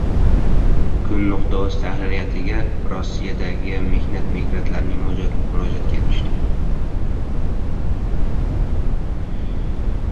Kun.uz tahririyatiga Rossiyadagi mehnat migrantlaridan murojaat kelib tushdi.